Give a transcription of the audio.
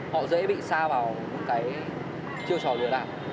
họ dễ bị xa vào những cái chiêu trò lừa đảo